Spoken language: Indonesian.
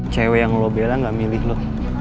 cewek yang lo bela gak milih lo